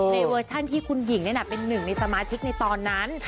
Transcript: เวอร์ชันที่คุณหญิงเป็นหนึ่งในสมาชิกในตอนนั้น